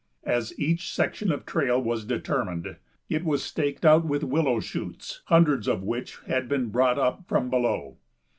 As each section of trail was determined it was staked out with willow shoots, hundreds of which had been brought up from below.